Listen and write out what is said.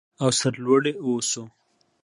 او سرلوړي اوسو.